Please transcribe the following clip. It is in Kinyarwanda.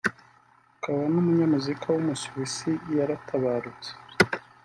akaba n’umunyamuziki w’umusuwisi yaratabarutse